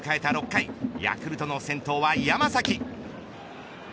６回ヤクルトの先頭は山崎。